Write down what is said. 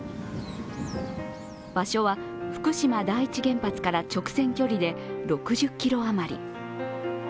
場所は福島第一原発から直線距離で６０ｋｍ余り。